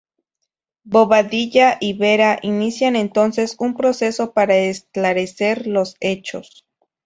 Bobadilla y Vera inician entonces un proceso para esclarecer los hechos.